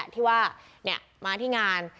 ที่มาที่งาน